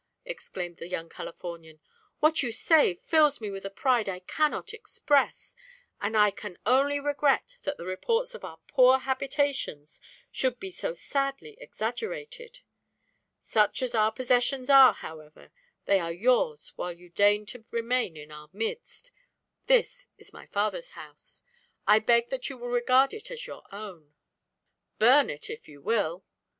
exclaimed the young Californian. "What you say fills me with a pride I cannot express, and I can only regret that the reports of our poor habitations should be so sadly exaggerated. Such as our possessions are, however, they are yours while you deign to remain in our midst. This is my father's house. I beg that you will regard it as your own. Burn it if you will!"